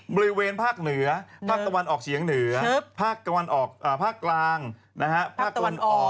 บริเวณภาคเหนือภาคตะวันออกเฉียงเหนือภาคกลางภาคตะวันออกภาคใต้